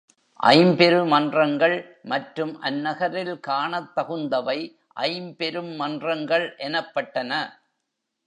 ஐம்பெரு மன்றங்கள் மற்றும் அந்நகரில் காணத் தகுந்தவை ஐம்பெரும் மன்றங்கள் எனப்பட்டன.